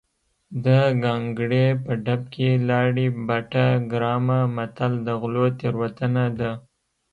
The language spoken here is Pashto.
د ګانګړې په ډب کې لاړې بټه ګرامه متل د غلو تېروتنه ده